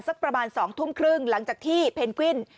สักประมาณ๒ทุ่มครึ่งหลังจากที่เพนกวิน